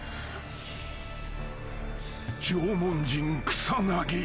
［縄文人草薙。